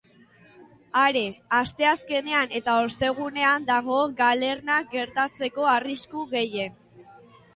Are, asteazkenean eta ostegunean dago galerna gertatzeko arrisku gehien.